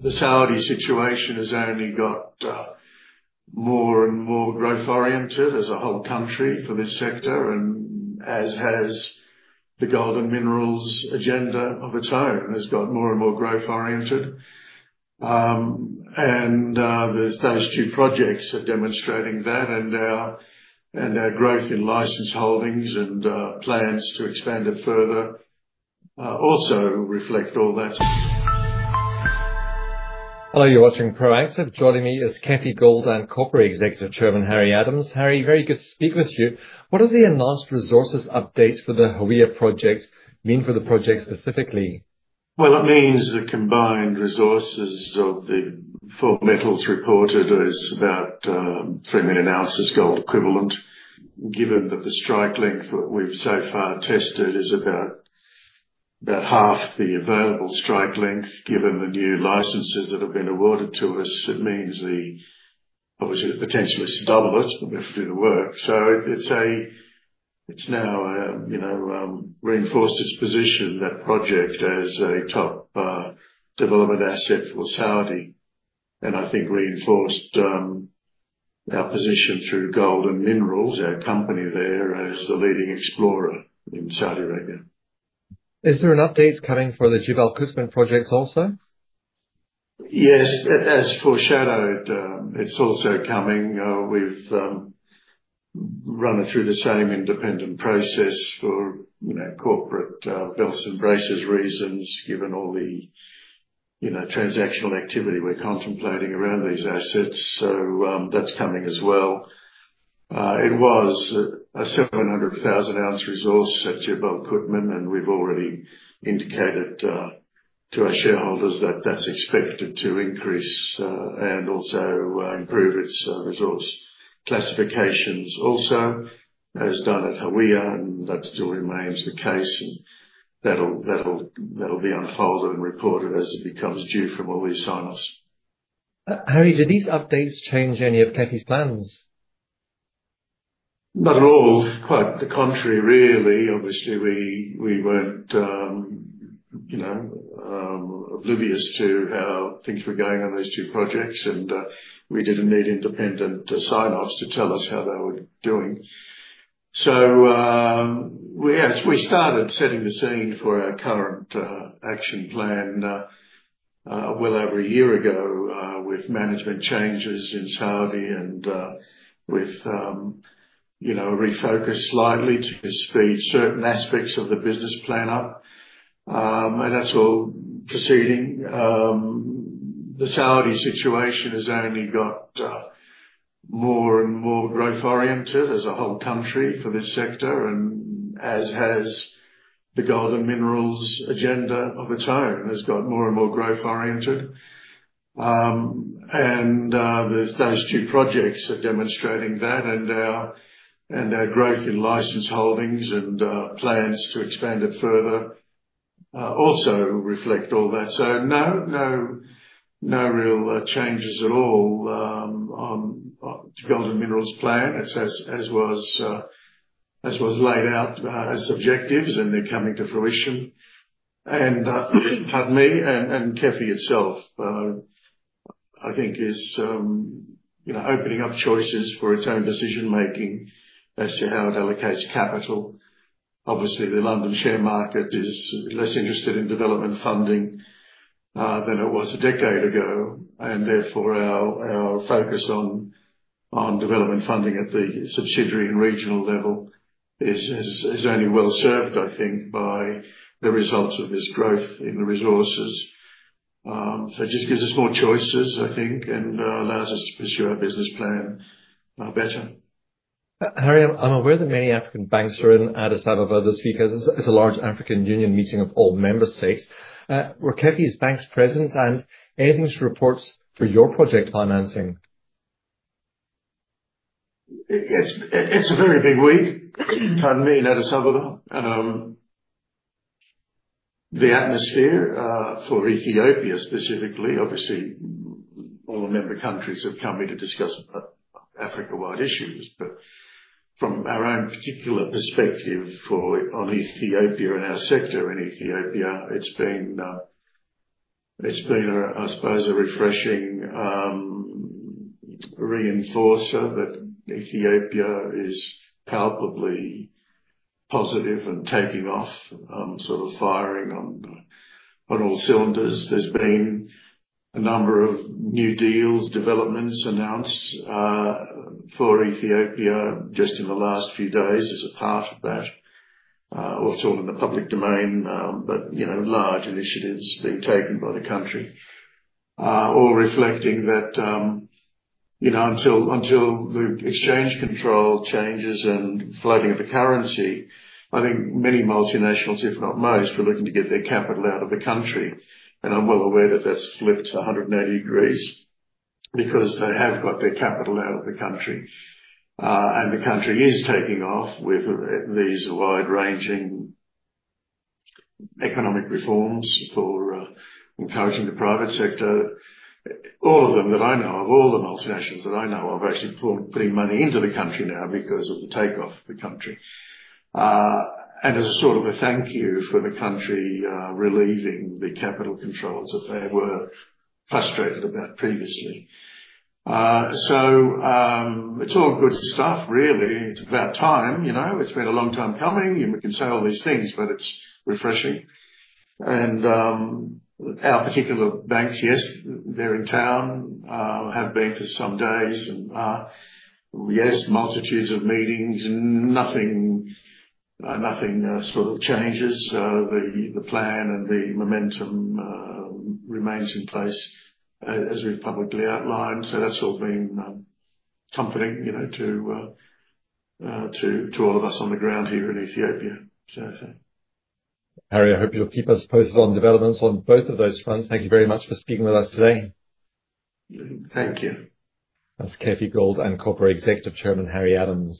The Saudi situation has only got more and more growth-oriented as a whole country for this sector and as has the Gold and Minerals agenda of its own. It's got more and more growth-oriented. Those two projects are demonstrating that and our growth in license holdings and plans to expand it further also reflect all that. Hello, you're watching Proactive. Joining me is KEFI Gold and Copper Executive Chairman, Harry Adams. Harry, very good to speak with you. What is the enhanced resources update for the Hawiah project mean for the project specifically? Well, it means the combined resources of the four metals reported is about 3 million oz gold equivalent. Given that the strike length that we've so far tested is about half the available strike length. Given the new licenses that have been awarded to us, it means obviously the potential is to double it, but we have to do the work. It's now you know reinforced its position, that project, as a top development asset for Saudi, and I think reinforced our position through Gold and Minerals, our company there, as the leading explorer in Saudi Arabia. Is there an update coming for the Jibal Qutman project also? Yes. As foreshadowed, it's also coming. We've run it through the same independent process for, you know, corporate belts and braces reasons, given all the, you know, transactional activity we're contemplating around these assets, so that's coming as well. It was a 700,000 oz resource at Jibal Qutman, and we've already indicated to our shareholders that that's expected to increase and also improve its resource classifications also, as done at Hawiah, and that still remains the case. That'll be unfolded and reported as it becomes due from all these sign-offs. Harry, do these updates change any of KEFI's plans? Not at all. Quite the contrary, really. Obviously, we weren't you know oblivious to how things were going on those two projects. We didn't need independent sign-offs to tell us how they were doing. Yes, we started setting the scene for our current action plan well over a year ago with management changes in Saudi and with you know a refocus slightly to speed certain aspects of the business plan up. That's all proceeding. The Saudi situation has only got more and more growth-oriented as a whole country for this sector and as has the Gold and Minerals agenda of its own. It has got more and more growth-oriented. Those two projects are demonstrating that and our growth in license holdings and plans to expand it further also reflect all that. No real changes at all on to Gold and Minerals' plan as was laid out as objectives, and they're coming to fruition. Pardon me. KEFI itself, I think is you know, opening up choices for its own decision-making as to how it allocates capital. Obviously, the London share market is less interested in development funding than it was a decade ago, and therefore our focus on development funding at the subsidiary and regional level is only well served, I think by the results of this growth in the resources. It just gives us more choices, I think, and allows us to pursue our business plan better. Harry, I'm aware that many African banks are in Addis Ababa this week as a large African Union meeting of all member states. Were KEFI's banks present and any risk reports for your project financing? It's a very big week, pardon me, in Addis Ababa. The atmosphere for Ethiopia specifically, obviously all the member countries have come here to discuss Africa-wide issues. From our own particular perspective on Ethiopia and our sector in Ethiopia, it's been, I suppose, a refreshing reinforcer that Ethiopia is palpably positive and taking off, sort of firing on all cylinders. There's been a number of new deals, developments announced for Ethiopia just in the last few days as a part of that. Also in the public domain, you know, large initiatives being taken by the country. All reflecting that, you know, until the exchange control changes and floating of the currency, I think many multinationals, if not most, were looking to get their capital out of the country. I'm well aware that that's flipped to 180 degrees because they have got their capital out of the country. The country is taking off with these wide-ranging economic reforms for encouraging the private sector. All of them that I know of, all the multinationals that I know of, actually putting money into the country now because of the takeoff of the country. As a sort of a thank you for the country relieving the capital controls that they were frustrated about previously. It's all good stuff really. It's about time, you know. It's been a long time coming and we can say all these things, but it's refreshing. Our particular banks, yes, they're in town, have been for some days and yes, multitudes of meetings. Nothing sort of changes the plan and the momentum remains in place as we've publicly outlined. That's all been comforting, you know, to all of us on the ground here in Ethiopia. Yeah. Harry, I hope you'll keep us posted on developments on both of those fronts. Thank you very much for speaking with us today. Thank you. That's KEFI Gold and Copper Executive Chairman, Harry Adams.